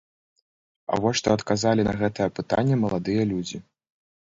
А вось што адказалі на гэтае пытанне маладыя людзі.